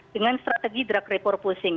dengan strategi drug repurposing